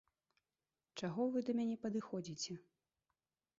Чаго вы да мяне падыходзіце?!